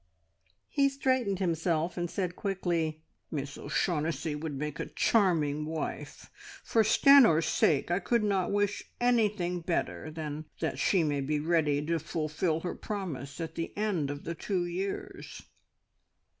He straightened himself, and said quickly "Miss O'Shaughnessy would make a charming wife. For Stanor's sake I could not wish anything better than that she may be ready to fulfil her promise at the end of the two years."